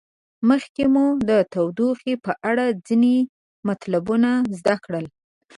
مخکې مو د تودوخې په اړه ځینې مطلبونه زده کړل.